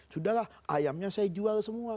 sudahlah ayamnya saya jual semua